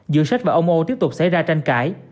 giữa xết và ông âu tiếp tục xảy ra tranh cãi